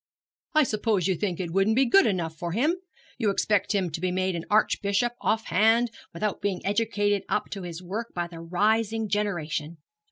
'I suppose you think it wouldn't be good enough for him? You expect him to be made an archbishop off hand, without being educated up to his work by the rising generation.